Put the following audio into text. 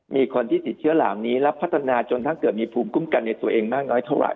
มีคนที่ติดเชื้อเหล่านี้และพัฒนาจนทั้งเกิดมีภูมิคุ้มกันในตัวเองมากน้อยเท่าไห